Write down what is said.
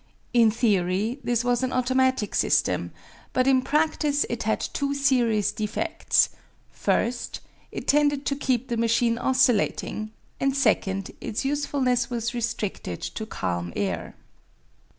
In theory this was an automatic system, but in practice it had two serious defects: first, it tended to keep the machine oscillating; and second, its usefulness was restricted to calm air.